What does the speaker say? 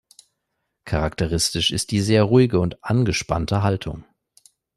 Charakteristisch ist die sehr ruhige und angespannte Haltung.